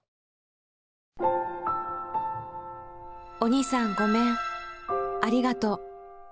鬼さんごめんありがとう。